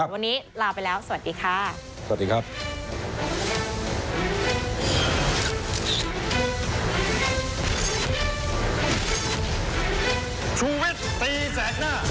วันนี้ลาไปแล้วสวัสดีค่า